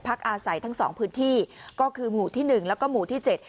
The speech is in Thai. อาศัยทั้งสองพื้นที่ก็คือหมู่ที่หนึ่งแล้วก็หมู่ที่เจ็ด